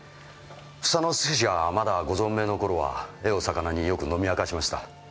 房之助氏がまだご存命の頃は絵を肴によく飲み明かしました。